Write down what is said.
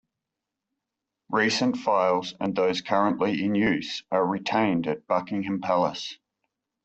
Recent files and those currently in use are retained at Buckingham Palace.